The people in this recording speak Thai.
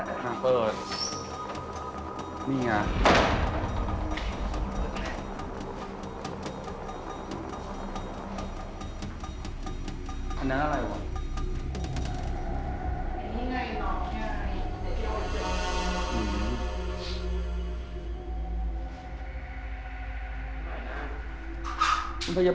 จริงหรือเปล่า